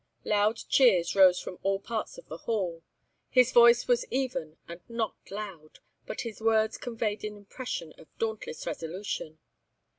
Loud cheers rose from all parts of the hall. His voice was even and not loud, but his words conveyed an impression of dauntless resolution.